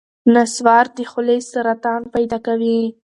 نسوار د خولې سرطان پیدا کوي.